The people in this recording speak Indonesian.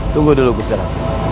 tunggu dulu gusera